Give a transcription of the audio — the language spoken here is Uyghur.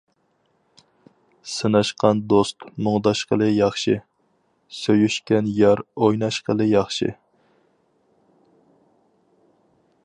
سىناشقان دوست مۇڭداشقىلى ياخشى، سۆيۈشكەن يار ئويناشقىلى ياخشى.